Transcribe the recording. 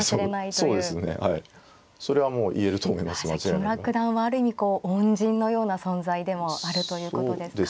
木村九段はある意味こう恩人のような存在でもあるということですか。